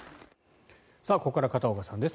ここから片岡さんです。